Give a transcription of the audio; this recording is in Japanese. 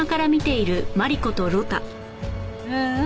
ううん。